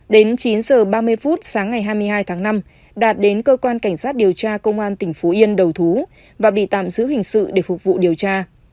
đến chín h ba mươi phút sáng ngày hai mươi hai tháng năm đạt đến cơ quan cảnh sát điều tra công an tỉnh phú yên đầu thú và bị tạm giữ hình sự để phục vụ điều tra